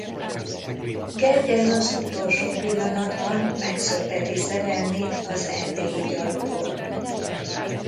Gergely az utolsó pillanatban megszökteti szerelmét az erdélyi Gyaluról.